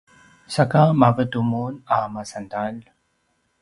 saka mavetu mun a masantalj?